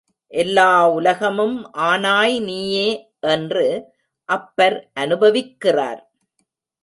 எல்லா உலகமும் ஆனாய் நீயே என்று அப்பர் அநுபவிக்கிறார்.